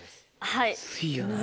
はい。